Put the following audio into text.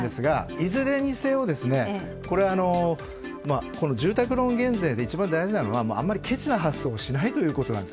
いずれにせよ、住宅ローン減税で一番大事なのはあんまりけちな発想をしないということなんです。